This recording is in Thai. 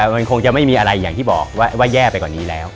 มันคงจะไม่มีอะไรอย่างที่บอกว่าแย่ไปกว่านี้แล้ว